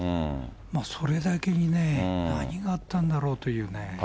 まあ、それだけにね、何があったんだろうというね。